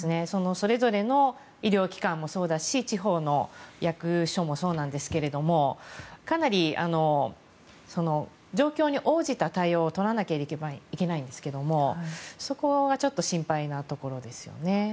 それぞれの医療機関もそうだし地方の役所もそうなんですがかなり状況に応じた対応を取らなければいけないんですがそこがちょっと心配なところですよね。